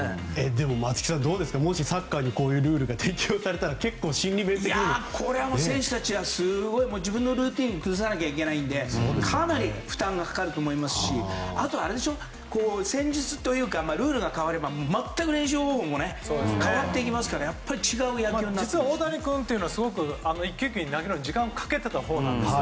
でも松木さん、もしサッカーにこういうルールが適用されたら結構、心理面的にも。これは選手たちは自分のルーティンを崩さなきゃいけないのでかなり負担がかかると思いますしあとはやっぱり戦術というかルールが変われば練習方法も実は大谷君は１球１球投げるのに時間をかけていたほうなんですよ。